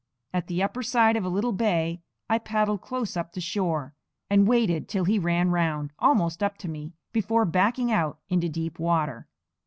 At the upper side of a little bay I paddled close up to shore, and waited till he ran round, almost up to me, before backing out into deep water.